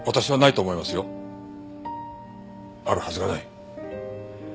あるはずがない。